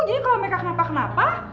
jadi kalo meka kenapa kenapa